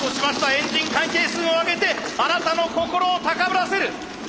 エンジン回転数を上げてあなたの心を高ぶらせる！